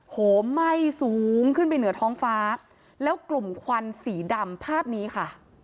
โหมไหม้สูงขึ้นไปเหนือท้องฟ้าแล้วกลุ่มควันสีดำภาพนี้ค่ะ